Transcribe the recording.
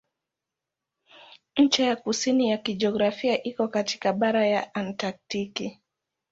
Ncha ya kusini ya kijiografia iko katikati ya bara la Antaktiki.